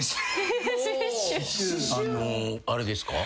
あのあれですか？